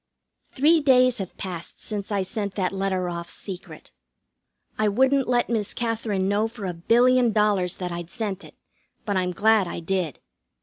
Three days have passed since I sent that letter off secret. I wouldn't let Miss Katherine know for a billion dollars that I'd sent it, but I'm glad I did.